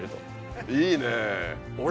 いいね。